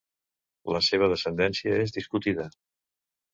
La seva descendència és discutida.